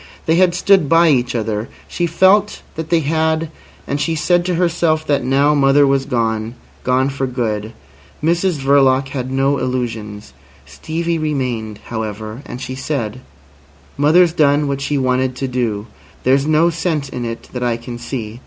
They had stood by each other. She felt that they had, and she said to herself that now mother was gone—gone for good. Mrs Verloc had no illusions. Stevie remained, however. And she said: "Mother's done what she wanted to do. There's no sense in it that I can see.